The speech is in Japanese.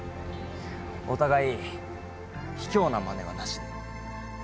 お互いひきょうなまねはなしで。